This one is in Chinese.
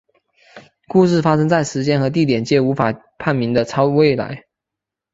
故事发生在时间和地点皆无法判明的超未来。